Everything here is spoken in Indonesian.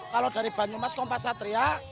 kalau dari banyumas kompasatria